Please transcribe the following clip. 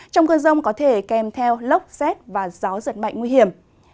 trong cơn rông có thể kèm theo lốc xét và gió giật mạnh nguy hiểm